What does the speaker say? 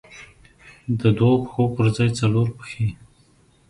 د دوو پښو پر ځای څلور پښې.